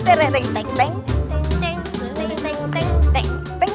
tertera tank tank